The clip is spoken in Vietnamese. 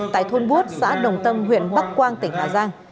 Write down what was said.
tại thôn bút xã đồng tâm huyện bắc quang tỉnh hà giang